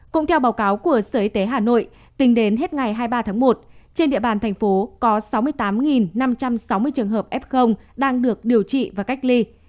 cũng theo báo cáo của sở y tế hà nội tính đến hết ngày hai mươi ba tháng một trên địa bàn thành phố có sáu mươi tám năm trăm sáu mươi trường hợp f đang được điều trị và cách ly